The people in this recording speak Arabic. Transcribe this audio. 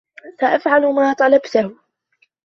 سأفعل ما طلبته.